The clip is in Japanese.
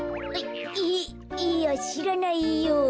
いいやしらないよ。